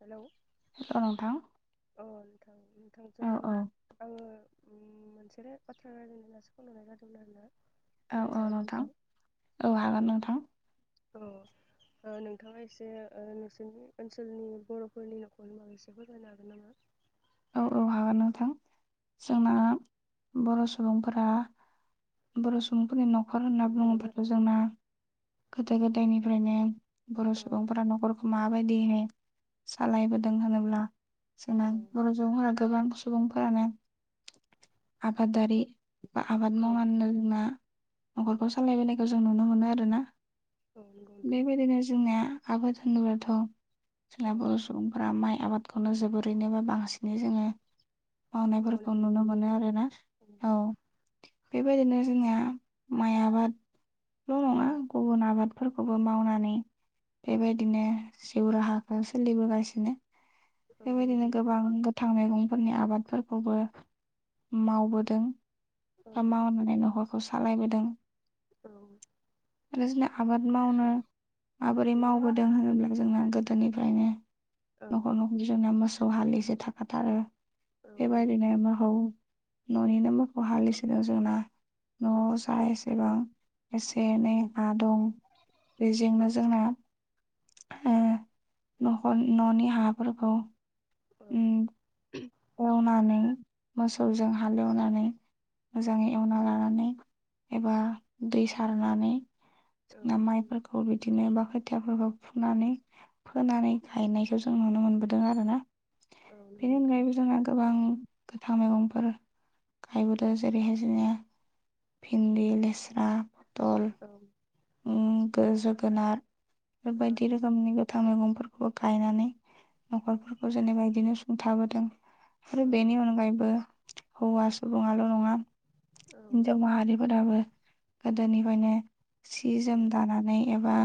Hello औ नोंथां औ नोंथां औ नोंथांजों औ आङो मोनसेल बाथ्रा रायज्लायनो होननासो फन हरनाय जादोंमोन आरोना। औ औ रायज्लायजागोन ना नोंथां औ हागोन नोंथां। औ नोंथाङा एसे ओ नोंसोरनि ओनसोलनि बर'फोरनि न'खरनि बागै एसे फोरमायनो हागोन नामा? माबा नोंथां औ जोंना बर' सुबुंफोरा बर' सुबुंफोरनि न'खर होनना बुङोबाथ' जोंना गोदो गोदायनिफ्रायनो बर' औ सुबुंफोरा न'खरखौ माबायदिहाय सालायबोदों होनोब्ला औ फोरा गोबां सुबुंफोरानो आबादारि बा आबाद औ मावनानैनो जोंना न'खरखौ सालायबोनायखौ जों नुनो मोनो आरोना। औ नंगौ नोंथां बेबायदिनो जोंनिया आबाद होनोबाथ' औ जेला बर' सुबुंफोरा माइ आबादखौनो जोबोरैनो बा बांसिनै जोङो मावनायफोरखौ नुनो मोनो आरोना औ बेबायदिनो जोंनिया माइ आबादल' औ नङा गुबुन आबाद फोरखौबो मावनानै बेबायदिनो जिउ राहाखौ सोलिबोगासिनो औ नंगौ बेबायदिनो नोंथां गोबां गोथां मैगं फोरनि आबादफोरखौबो मावबोदों औ बा मावनानै नखर खौ सालायबोदों औ आरो जोंना आबाद मावनो माबोरै मावबोदों होनोब्ला जोंना गोदोनिफ्रायनो औ न'खर न'खर जोंनाया मोसौ हालिसो थाखाथारो। बे नंगौ बादिनो नोंथां [unintelligible] न'निनो मोखौ हालिसेजों जोंना न'आव जा एसेबां एसे औ एनै हा दं बेजोंनो जोंना ओ नखर न'नि हाफोरखौ औ ओम एवनानै मोसौजों हालेवनानै मोजाङै एवना लानानै एबा दै सारनानै नंगौ नोंथां जोंना माइफोरखौ बिदिनो बा खोथियाफोरखौ फुनानै फोनानै गायनायखौ जों नुनो मोनबोदों आरोना। बेनि अनगायैबो जोंहा [inaudible] गोबां गोथां मैगंफोर गायबोदों जेरैहाय जोङो भिन्दी लेस्रा औ ओ जोगोनार बेबायदि रोखोमनि गोथां मैगंफोरखौबो गायनानै न'खरफोरखौ जेनेबा बिदिनो सुंथाबोदों आरो बेनि अनगायैबो हौवा सुबुंआल' नङा हिनजाव औ माहारिफोराबो गोदोनिफ्रायनो सि औ जोम दानानै एबा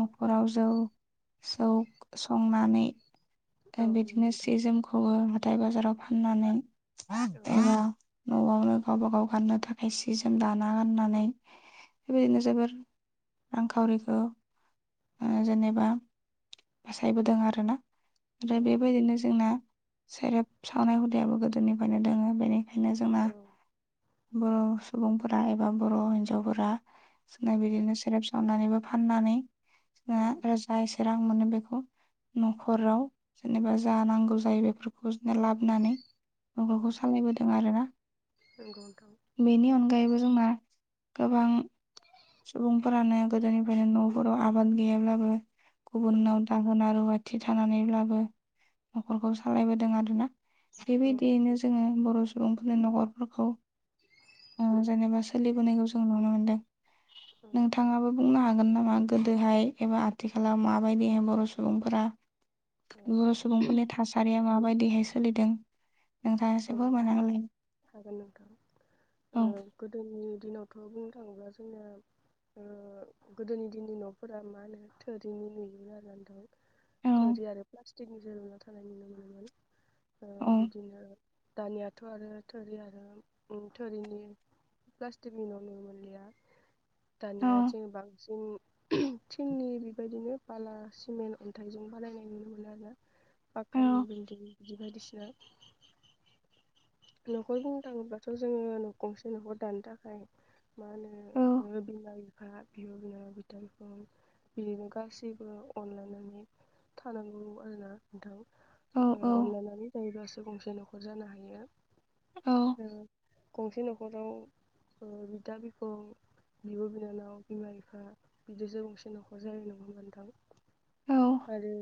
न'खराव जौ जौ संनानै औ दा नंगौ बिदिनो नोंथां सि जोमखौबो हाथाय बाजाराव फाननानै औ एबा न'आवनो गावब गाव गाननो थाखाय सि जोम दाना गाननानै औ बेबायदिनो जोबोर रांखावरिखौ जेनेबा फसायबोदों आरोना ‌। आरो औ बेबायदिनो नोंथां जोंना सेरेब सावनाय हुदायाबो गोदोनिफ्रायनो दोङो बेनि खायनो जोंना औ बर' सुबुंफोरा एबा बर' हिन्जावफोरा जोंना बिदिनो नोंथां सेरेब सावनानैबो फाननानै औ जोंना जा एसे रां मोनो बेखौ न'खराव जेनेबा जा नांगौ जायो बेफोरखौ जोङो लाबनानै औ नखरखौ सालायबोदों आरोना नंगौ नोंथां औ नंगौ बेनि अनगा यैबो जोंना गोबां सुबुंफोरानो गोदोनिफ्रायनो न'फोराव आबाद गैयाब्लाबो गुबुनाव दाहोना रुवाथि थानानैब्लाबो न'खरखौ सालायबोदों आरोना बेबायदियैनो नोंथां जोङो बर' सुबुं न'खरफोरखौ जेनेबा सोलिबोनायखौ जों नुनो मोनदों नोंथाङाबो बुंनो हागोन हागोन नामा गोदोहाय एबा आथिखालाव माबायदिहाय बर' सुबुंफोरा औ बर' सुबुंफोरनि थासारिया माबायदिहाय सोलिदों नोंथाङा एसे औ फोरमायना होलाय हागोन नोंथां औ ओ गोदोनि दिनावथ' बुंनो थाङोब्ला जोंनिया गोदोनि दिननि न'फोरा मा होनो थोरिनि लुयोमोन आरो नोंथां औ थोरि आरो प्लास्टिकनिबो थानाय नुनो मोनोमोन औ बिदिनो दानियाथ' आरो थोरि आरो थोरिनि प्लास्टिकनि न'नुनो मोनलिया औ दानिया जों बांसिन थिंनि बेबायदिनो बाला सिमेन्ट अन्थाइजों बानायनाय नुनो मोनो आरोना फाक्कानि औ बिलदिं बिदि बायदिसिना न'खर बुंनो थाङोब्लाथ' जोङो गंसे न'खर दानो थाखाय मा औ होनो बिमा बिफा बिब' बिनानाव बिदा बिफं बिदिनो गासैबो अनलायनानै थानांगौ आरोना नोंथां औ अनलायनानै जायोब्लासो गंसे न'खर जानो हायो औ गंसे न'खराव बिदा बिफं बिब' बिनानाव बिमा बिफा बिदिजों गंसे न'खर जायो नङा ओमबा औ नोंथां आरो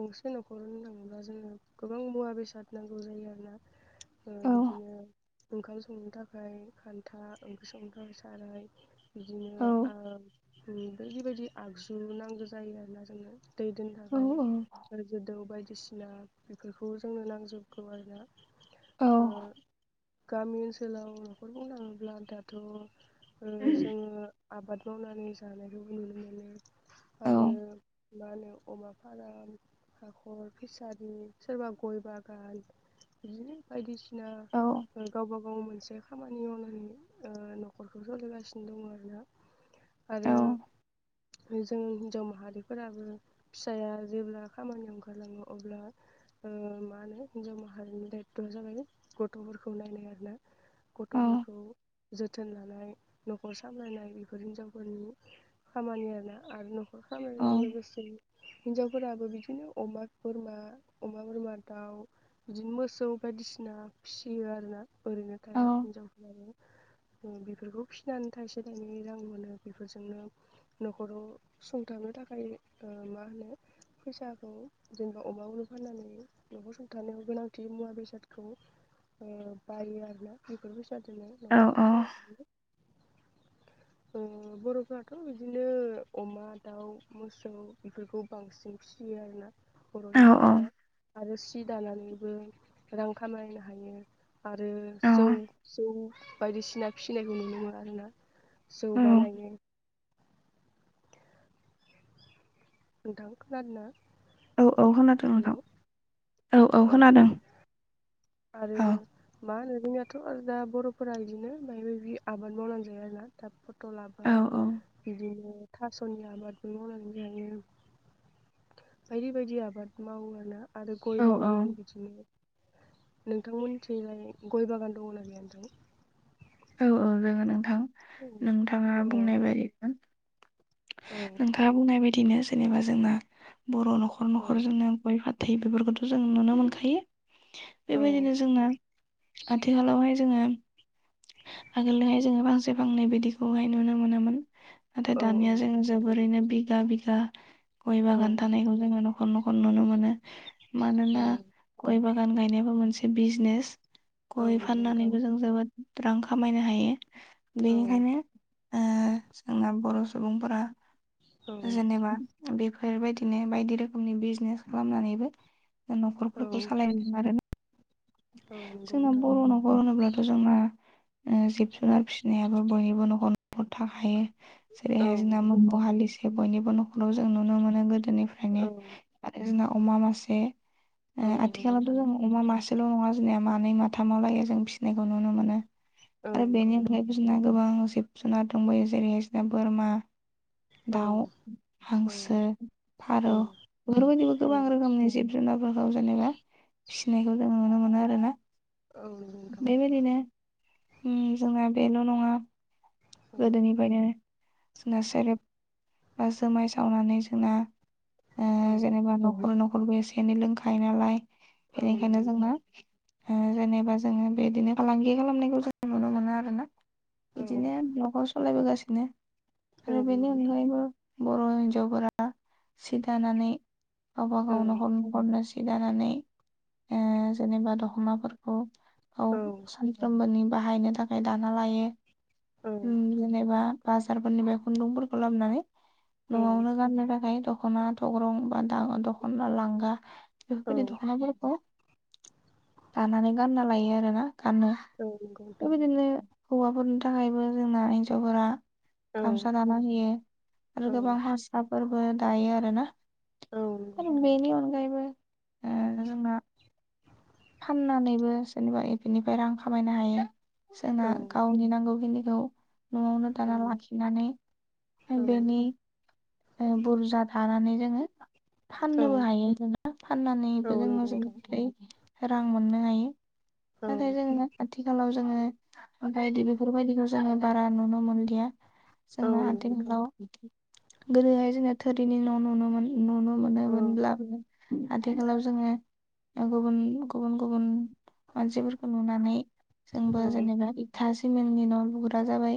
गंसे न'खर होननो थाङोब्ला जोंङो गोबां मुवा बेसाद नांगौ जायो आरोना बिदिनो ओंखाम संनो थाखाय खान्था ओंख्रि संनो थाखाय साराय औ बिदिनो बायदि बायदि आगजु नांगौ जायो आरोना जोंनो दै दोननो थाखाय आरो जोदौ बायदिसिना बेफोरखौ जोंनो नांजोबगौ आरोना औ गामि ओनसोलाव न'खर बुंङोब्ला दाथ' जोंङो आबाद मावनानै जानायखौ नुनो मोनो औ आरो मा होनो अमा फ्राय हाखर फिसारि सोरबा गय बागान बिदिनो बायदिसिना गावबा गाव मोनसे खामानि मावनानै न'खरखौ सोलिगासिनो दंङो आरोना औ आरो जों हिन्जाव माहारिफोराबो फिसाया जेब्ला खामानि ओंखारलाङो अब्ला माने जमा [unintelligible] दायथ'आ जाबाय गथ'फोरखौ नायनाय आरोना गथ'फोरखौ जोथा जोथोन लानाय न'खर सामलायनाय बेफोर हिनजावफोरनि खामानि आरोना आरो न'खर खामाय जों लोगोसे हिन्जावफोराबो बिदिनो अमा बोरमा अमा बोरमा दाउ बिदिनो मोसौ बायदिसिना फिसियो आरोना ओरैनो औ थाया हिनजावफोराबो बेफोरखौ फिसिनानै थाइसे थाइनै रां मोनो बेफोरजोंनो न'खराव संथानो नो थाखाय मा होनो फैसाखौ जेनेबा अमा अलनो फाननानै न'र संथानायाव गोनांथि बे मुवा बेसादखौ बायो आरोना बेफोर बे जादों औ न'खरखौ औ बर'फोराथ' बिदिनो अमा दाउ मोसौ बेफोरखौ बांसिन फिसि फियो आरोना बर' औ हिन्जावफोरा आरो सि दानानैबो रां खामायनो हायो आरो औ जौ जौ बायदिसिना फिसिनायखौ नुयो। दंङो आरोना जौ औ बानायो नोंथां खोनादोंना औ औ खोनादों हेलौ नोंथां औ औ अ खोनादों आरो औ मा नोंनियाथ' आरो दा बर'फोरा बिदिनो माय मायदि आबाद मावनानै जायो आरो ना दा पटल औ आबाद बिदिनो थास'नि आबादबो मावनानै जायो। बायदि बायदि आबाद मावोना आरो औ गय बागान बिदिनो नोंथांमोनथिलाय गय बागान दंङोना गैया नोंथां। औ औ जागोन नोंथां नोंथाङा अ औ बुंनाय बायदि नोंथांङा बुंनाय बायदिनो जेनेबा जोंना बर' न'खर औ औ न'खरजोंनो गय फाथै थै बेफोरखौथ' जों नुनो मोनखायो। औ बेबायदिनो जोंना आथिखालावहाय जोंङो आगोलनिहाय जोंङो फांसे फांनै बिदिखौहाय नुनो मोनामोन नाथाय नंगौ दानिया जों नोंथां जोबोरैनो बिघा बिघा गय औ बागान थानायखौ जोंङो न'खर न'खर नुनो मोनो औ मानोना गय बागान बागान गायनायाबो मोनसे बिजनेस औ गय नंगौ नोंथां फाननानैबो जों जोबोद रां खामायनो हायो। औ बेनिखायनो जोंना बर' सुबुंफोरा जेनेबा बेफोरबायदिनो बायदि रोखोमनि बिजनेस खालामनानैबो औ न'खरफोरखौ सालायदों आरोोना औ नंगौ जोंना नोंथां बर' न'खर होनोब्लाथ' जोंना जिब जुनार फिसिनायाबो बयनिबो न'खर न'खर थाखायो औ जेरैहाय जोंना नंगौ मुद नोंथां हालिसे बयनिबो न'खराव जों नुनो मोनो गोदो फ्राय औ आरो जोंना अमा मासे नंगौ आथिखालावथ' नोंथां जमा अमा मासे एसेल' नंङा जोंनिया मानै माथामाव लायो जों फिसिनायखौ नुनो मोनो। औ आरो नंगौ बेनि अनगायै नोंथां बिसना गोबां जिब जुनार दंबयो जेरैहायसना बोरमा औ दाउ हांसो औ फारौ बेफोरबायदिबो औ गोबां रोखोमनि जिब जुनारफोरखौ जेनेबा फिसिनायखौ जों नुनो मोनो। ना औ नंगौ बेबायदिनो जोंना बेल' नंङा नोंथां गोदोनिफ्रायनो जोंना सेरेब बा जुमाय सावनानै जोंना औ जेनेबा न'खर नखर नरबो एसे एनै लोंखायो नालाय औ बेनिखायनो नंगौ जोंना जेनेबा जोङो बेदिनो फालांगि खालामनायखौ जों नुनो मोनो आरो ना नोंथां औ बिदिनो नखर सलायबोगासिनो आरो बेनि नंगौ अनगायैबो बर' हिन्जावफोरा सि दानानै गावबा गाव नोंथां नखर [unintelligible] दानानै जेनेबा दखनाफोरखौ औ सानफ्रोमबोनि बाहायनो थाखाय दाना लायो। जेनेबा बाजारफोरनिफाय खुन्दुंफोरखौ लाबानै औ न'आवनो गाननो थाखाय दख'ना थग्रं बा द दख'ना लांगा औ बेफोरबायदि औ दख'नाफोरखौ दानानै गानना लायो आरोना। औ नंगौ औ औ नंगौ नोंथां औ बे बिदिनो हौवाफोरनि थाखायबो जोंना हिन्जावफोरा गामसा दाना होयो आरो गोबां हारसाफोरबो दायो आरोना। आरो बेनि अनगायैबो जोंना फाननानैबो सोरनिबा एफिनिफ्राय रां खामायनो हायो। जोंना गावनि नांगौखिनिखौ न'आवनो दाना लाखिनानै बेनि बुरजा दानानै जोङो फाननोबो हायो आरोना फाननानैबो जोङो [unintelligible] रां मोननो हायो। नाथाय जोंनो आथिखालाव जोङो ओमफाय बेफोरबायदिखौ जोङो बारा नुनो मोनलिया। जोंना आथिखालाव गोदोहाय जोङो थोरिनि न' नुनो मोनो। नुनो मोनोमोनब्लाबो आथिखालाव जोङो गुबुन गुबुन गुबुन मानसिफोरखौ नुनानै जोंबो जेनेबा इथा सि मेननि न' लुग्रा जाबाय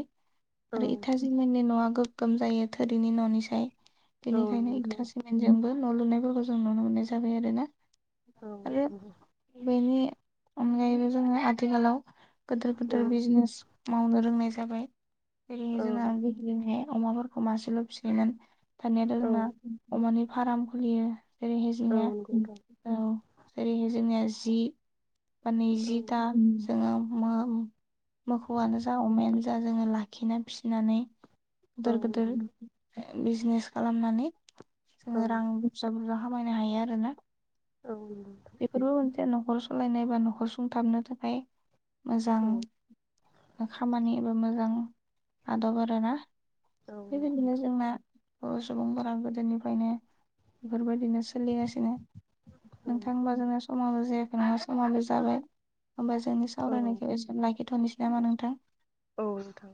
आरो इथा सिमननि न'आ गोगोम जायो थोरि नि न'निसाय बेनिखायनो इथा सिमेनजोंबो न' लुनायफोरखौ जों नुनो मोननाय जाबाय आरो ना आरो बेनि अनगायैबो जोङो आथिखालाव गोदोर गोदोर बिजनेस मावनो रोंनाय जाबाय जेरै जोंहा [unintelligible] अमाफोरखौ मासेल' फिसियोमोन दानियाथ' जोंना अमानि फार्म खुलियो जेरै हाय जोंनिया औ जेरैहाय जोंनिया जि बा नैजि था जोङो मो मोखौआनो जा अमायानो जा जोङो लाखिना फिसिनानै गोदोर नंगौ गोदोर बिजनेस खालामनानै नोंथां जोङो औ रां बुरजा बुरजा खामायनो हायो आरोना औ बेफोरबो मोनसे न'खर सलायनाय बा न'खर सुंथाबनो थाखाय मोजां औ खामानि एबा मोजां आदब आरोना औ नोंथां बेबायदिनो जोंना बर' सुबुंफोरा गोदोनिफ्रायनो बेफोरबायदिनो सोलिगासिनो औ नोंथां होनबा जोंना समाबो जायाखै नङा समाबो जाबाय होमबा जोंनि औ सावरायनायखौ एसेयावनो लाखि थ'नोसै नामा नोंथां औ नोंथां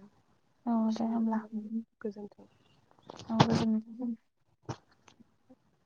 औ दे होमब्ला एसेयावनो [unintelligible] गोजोन्थों औ [unintelligible] [inaudible]